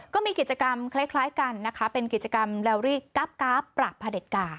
ก็มีกิจกรรมคล้ายกันเป็นกิจกรรมเรารี่ก๊าบประผดการณ์